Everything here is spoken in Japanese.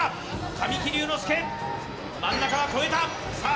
神木隆之介真ん中は超えたさあ